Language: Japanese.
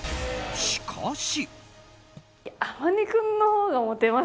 しかし。